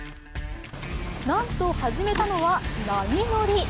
なんと、始めたのは波乗り。